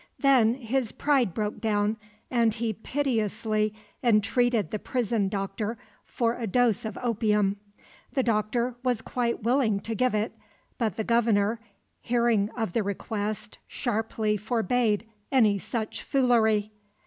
Then his pride broke down, and he piteously entreated the prison doctor for a dose of opium. The doctor was quite willing to give it; but the Governor, hearing of the request, sharply forbade "any such foolery."